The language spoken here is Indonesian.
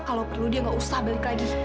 kalau perlu dia nggak usah balik lagi